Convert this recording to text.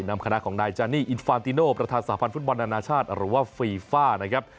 นำคณะของนายจานี่อินฟานติโนประธานสาพันธ์ฟุตบอลนานาชาติหรือว่าฟีฟ่านะครับ